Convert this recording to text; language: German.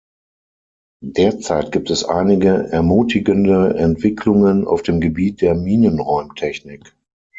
Derzeit gibt es einige ermutigende Entwicklungen auf dem Gebiet der Minenräumtechnik.